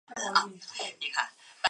电波之日是日本的一个节日。